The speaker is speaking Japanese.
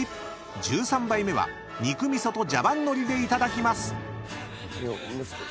［１３杯目は肉味噌とジャバンのりでいただきます］